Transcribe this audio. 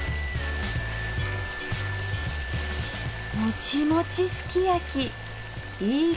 「もちもちすきやき」いいかも。